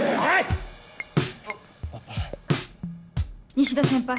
西田先輩